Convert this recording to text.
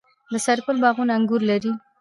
د سرپل باغونه انګور لري.